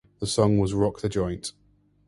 That song was "Rock the Joint".